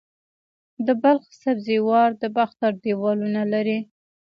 د بلخ سبزې وار د باختر دیوالونه لري